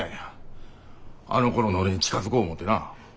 あのころの俺に近づこう思てな。